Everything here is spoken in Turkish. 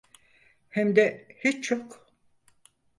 Hem de hiç yok.